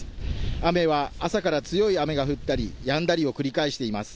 雨は朝から強い雨が降ったりやんだりを繰り返しています。